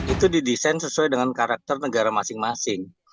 itu didesain sesuai dengan karakter negara masing masing